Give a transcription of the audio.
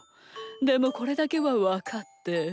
でもこれだけはわかって。